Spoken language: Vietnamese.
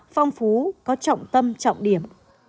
phong phú có trọng tâm trọng điểm